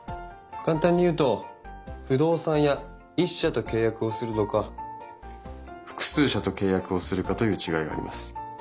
簡単に言うと不動産屋１社と契約をするのか複数社と契約をするかという違いがあります。